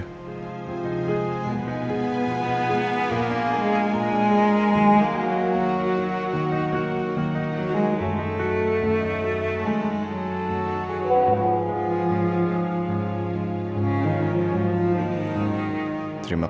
saya pun mau